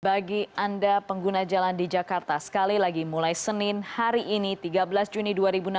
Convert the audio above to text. bagi anda pengguna jalan di jakarta sekali lagi mulai senin hari ini tiga belas juni dua ribu enam belas